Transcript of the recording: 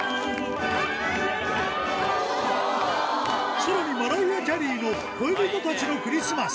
さらにマライア・キャリーの恋人たちのクリスマス。